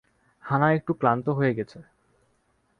হা-না একটু ক্লান্ত হয়ে গেছে।